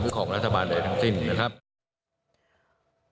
ของรัฐบาลใดทั้งสิ้นนะครับ